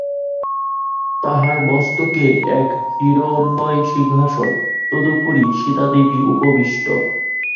তাঁহার মস্তকে এক হিরণ্ময় সিংহাসন, তদুপরি সীতাদেবী উপবিষ্ট।